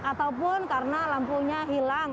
ataupun karena lampunya hilang